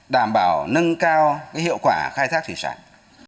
đảm bảo nâng cao hiệu quả khai thác thủy sản